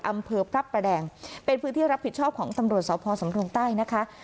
อำเภอพระประแดงเป็นพื้นที่รับผิดชอบของตำรวจสพสำรงใต้นะคะ